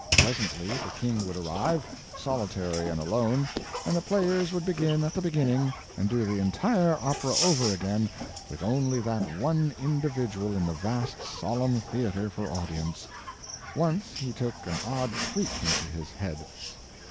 Presently the King would arrive, solitary and alone, and the players would begin at the beginning and do the entire opera over again with only that one individual in the vast solemn theater for audience. Once he took an odd freak into his head.